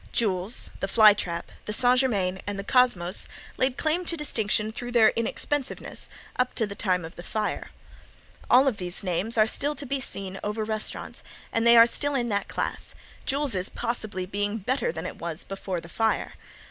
Jule's, the Fly Trap, the St. Germain and the Cosmos laid claim to distinction through their inexpensiveness, up to the time of the fire. All of these names are still to be seen over restaurants and they are still in that class, Jule's, possibly, being better than it was before the fire.